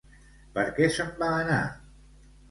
Per què se'n va anar?